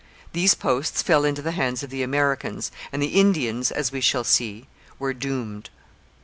These posts fell into the hands of the Americans, and the Indians, as we shall see, were doomed.